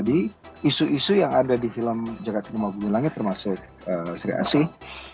isu isu yang ada di film jakarta cinema bumi langit termasuk sri asih